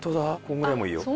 このぐらいもいいよ。